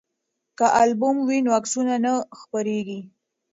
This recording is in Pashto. که البوم وي نو عکسونه نه خپریږي.